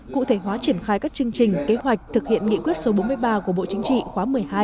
cụ thể hóa triển khai các chương trình kế hoạch thực hiện nghị quyết số bốn mươi ba của bộ chính trị khóa một mươi hai